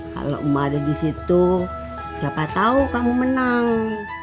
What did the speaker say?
kalau ma ada di situ siapa tau kamu menang